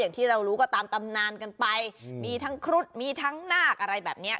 ที่เรารู้ก็ตามตำนานกันไปมีทั้งครุฑมีทั้งนาคอะไรแบบเนี้ย